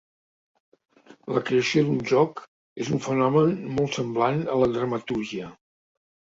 La creació d'un joc és un fenomen molt semblant a la dramatúrgia.